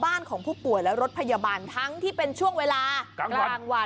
ของผู้ป่วยและรถพยาบาลทั้งที่เป็นช่วงเวลากลางวัน